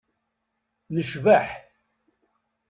Necbeḥ.